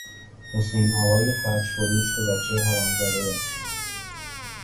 حسین آقای فرش فروش دو بچهی حرامزاده داشت.